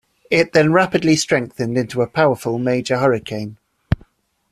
It then rapidly strengthened into a powerful major hurricane.